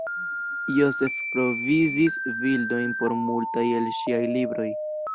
Joseph provizis bildojn por multaj el ŝiaj libroj.